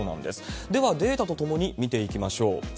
ではデータとともに見ていきましょう。